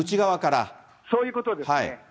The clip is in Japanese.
そういうことですね。